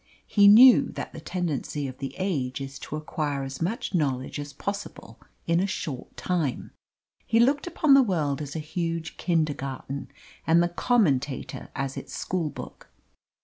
He knew that the tendency of the age is to acquire as much knowledge as possible in a short time. He looked upon the world as a huge kindergarten, and the Commentator as its school book.